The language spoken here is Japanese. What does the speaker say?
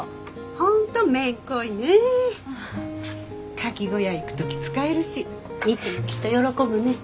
カキ小屋行く時使えるし未知もきっと喜ぶね。